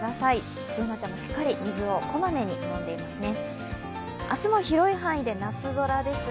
Ｂｏｏｎａちゃんもしっかり水を小まめに飲んでいますね。